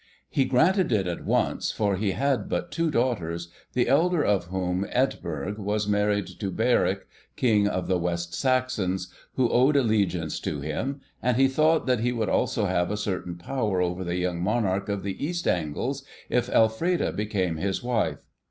He granted it at once, for he had but two daughters, the elder of whom, Eadburh, was married to Beorhtric, King of the West Saxons, who owed allegiance to him, and he thought that he would also have a certain power over the young Monarch of the East Angles if Elfreda became his wife.